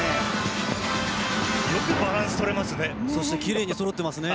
よくバランスとれますね。